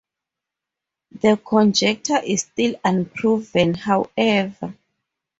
The conjecture is still unproven, however.